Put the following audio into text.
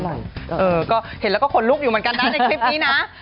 เออก็เห็นแล้วก็ขนลุกอยู่เหมือนกันนะในคลิปนี้นะ